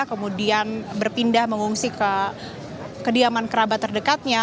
kemudian berpindah mengungsi ke kediaman kerabat terdekatnya